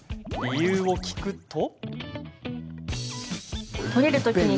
理由を聞くと。